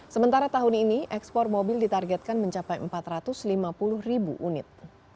sementara tahun ini ekspor mobil ditargetkan mencapai empat ratus lima puluh ribu unit